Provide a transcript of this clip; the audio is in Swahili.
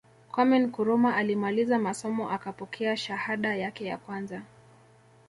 Kwame Nkrumah alimaliza masomo akapokea shahada yake ya kwanza